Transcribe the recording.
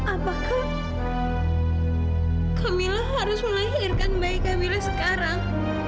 apakah kamila harus melahirkan bayi camillah sekarang